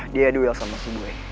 dia duel sama si due